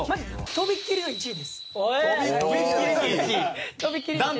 とびっきりの１位。